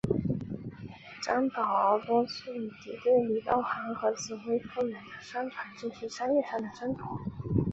张保皋多次与敌对的李道行和紫薇夫人的商团进行商业上的争夺。